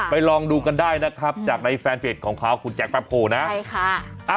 ลองดูกันได้นะครับจากในแฟนเพจของเขาคุณแจ๊คแป๊บโพลนะใช่ค่ะ